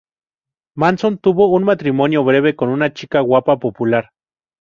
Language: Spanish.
Manson tuvo un matrimonio breve con una chica guapa popular.